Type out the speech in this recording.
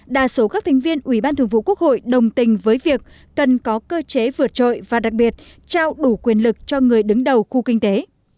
đa số các thành viên ủy ban thường vụ quốc hội đồng tình với việc cần có cơ chế vượt trội và đặc biệt trao đủ quyền lực cho người đứng đầu khu kinh tế